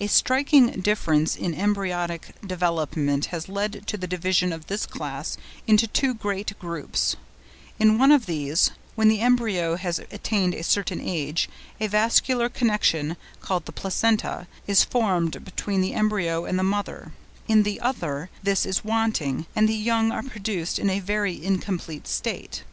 A striking difference in embryonic development has led to the division of this class into two great groups; in one of these, when the embryo has attained a certain stage, a vascular connection, called the placenta, is formed between the embryo and the mother; in the other this is wanting, and the young are produced in a very incomplete state.